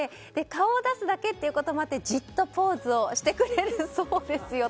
顔を出すだけということもあってじっとポーズをしてくれるそうですよ。